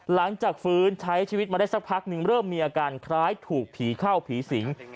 หลังจากฟื้นใช้ชีวิตมาได้สักพักหนึ่งเริ่มมีอาการคล้ายถูกผีเข้าผีสิง